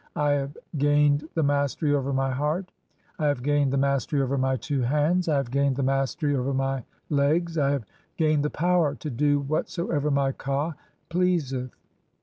I have gained "the mastery over my (8) heart, I have gained the mastery over "my two hands, I have gained the mastery over my legs, I have "gained the power to do whatsoever my ka (double) pleaseth.